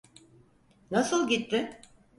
NasıI gitti?